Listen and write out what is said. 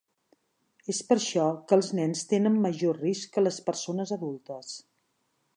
És per això que els nens tenen major risc que les persones adultes.